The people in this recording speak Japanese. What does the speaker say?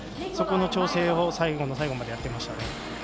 そこの調整を最後の最後までやっていましたね。